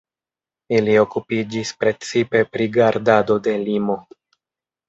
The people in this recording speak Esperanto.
Ili okupiĝis precipe pri gardado de limo.